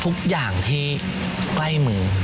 ทุกอย่างที่ใกล้มือ